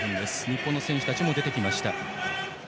日本の選手たちも出てきました。